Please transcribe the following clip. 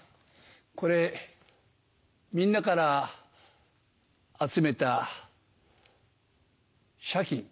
これみんなから集めた謝金。